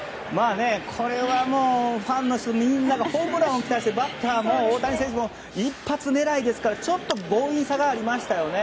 これはファンの人みんながホームランを期待してバッターの大谷選手も一発狙いですからちょっと強引さがありましたね。